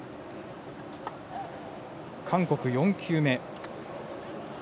韓国、４球目。